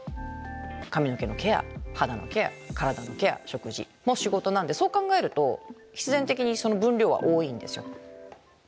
髪の毛のケア肌のケア体のケア食事も仕事なんでそう考えると必然的にその分量は多いんですよ。